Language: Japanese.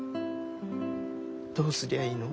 どうすりゃいいの？